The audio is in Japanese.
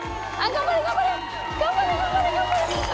頑張れ頑張れ頑張れ！